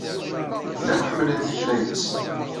Medden akk ḥemmlen tikla-nnes.